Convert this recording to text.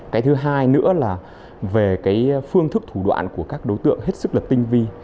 cái thứ hai nữa là về cái phương thức thủ đoạn của các đối tượng hết sức là tinh vi